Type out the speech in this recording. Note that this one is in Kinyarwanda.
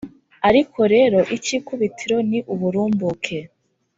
ariko rero icy’ikubitiro ni uburumbuke.